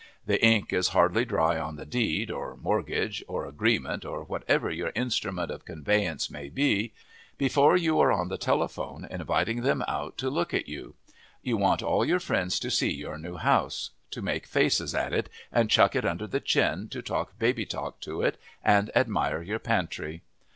The ink is hardly dry on the deed, or mortgage, or agreement, or whatever your instrument of conveyance may be, before you are on the telephone inviting them out to look at you. You want all your friends to see your new house to make faces at it and chuck it under the chin, to talk baby talk to it and admire your pantry.